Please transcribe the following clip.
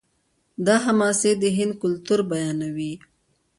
دا حماسې د هند کلتور بیانوي.